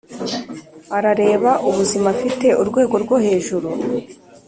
arareba ubuzima afite urwego rwo hejuru;